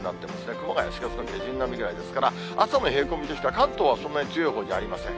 熊谷４月の下旬並みですから、朝の冷え込みとしては、関東はそんなに強いほうじゃありません。